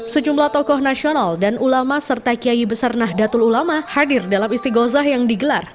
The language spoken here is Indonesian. sejumlah tokoh nasional dan ulama serta kiai besar nahdlatul ulama hadir dalam isti gozah yang digelar